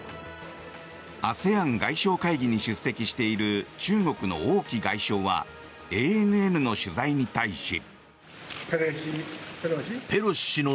ＡＳＥＡＮ外相会議に出席している中国の王毅外相はＡＮＮの取材に対し。